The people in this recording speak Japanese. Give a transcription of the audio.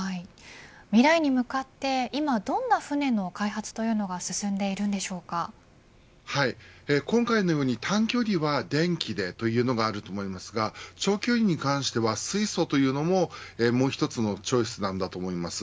未来に向かって今どんな船の開発というのが今回のように、短距離は電気でというのがあると思いますが長距離に関しては水素というのももう一つのチョイスなんだと思います。